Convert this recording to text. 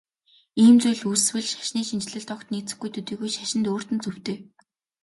Ийм зүйл үүсвэл шашны шинэчлэлд огт нийцэхгүй төдийгүй шашинд өөрт нь цөвтэй.